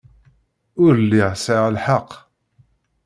Ur lliɣ sɛiɣ lḥeqq.